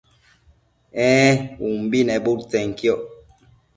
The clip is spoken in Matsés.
ee umbi nebudtsenquioc